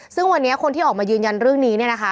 ซึ่งวันนี้คนที่ออกมายืนยันเรื่องนี้